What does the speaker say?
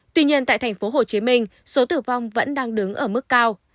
tuy nhiên tại thành phố hồ chí minh số tử vong vẫn đang đứng ở mức cao